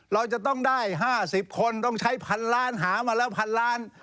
เราจะต้องได้๕๐คนต้องใช้พันล้านหามาแล้วพันล้าน